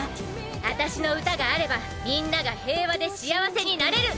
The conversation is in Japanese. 「あたしの歌があればみんなが平和で幸せになれる！」